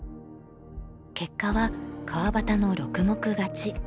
結果は川端の６目勝ち。